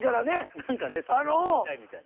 何かねそのままでいたいみたいな。